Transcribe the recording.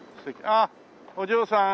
あっお嬢さん